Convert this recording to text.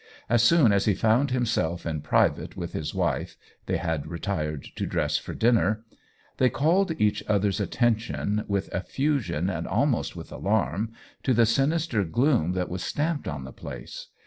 As soon as he found himself in private with his wife — they had retired to dress for dinner — they called each other's attention, with ef fusion and almost with alarm, to the sinister gloom that was stamped on the place.